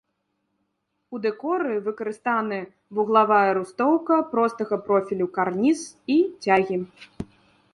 У дэкоры выкарыстаны вуглавая рустоўка, простага профілю карніз і цягі.